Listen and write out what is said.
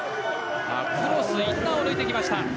クロスインナーを抜いてきました。